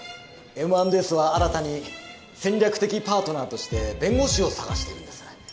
Ｍ＆Ｓは新たに戦略的パートナーとして弁護士を探しているんです。